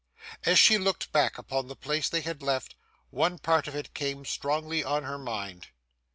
As she looked back upon the place they had left, one part of it came strongly on her mind.